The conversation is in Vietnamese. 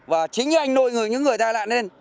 và chính anh nôi những người tai nạn lên